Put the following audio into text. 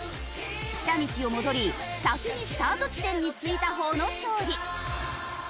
来た道を戻り先にスタート地点に着いた方の勝利。